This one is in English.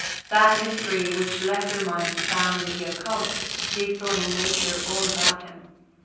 That mystery which lesser minds found in the occult, he saw in nature all about him.